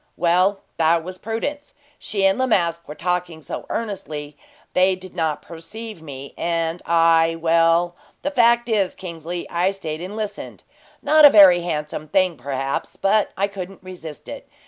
"Well, that was Prudence. She and La Masque were talking so earnestly they did not perceive me, and I well, the fact is, Kingsley, I stayed and listened. Not a very handsome thing, perhaps, but I couldn't resist it.